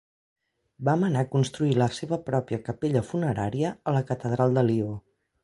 Va manar construir la seva pròpia capella funerària a la catedral de Lió.